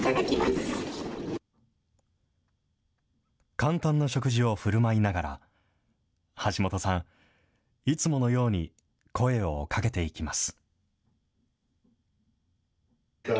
簡単な食事をふるまいながら、橋本さん、いつものように声をかけていきます。